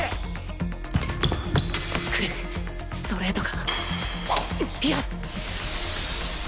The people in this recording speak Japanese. ストレート！？